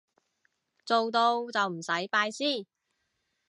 做到就唔使拜師